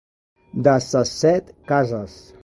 De ses set cases.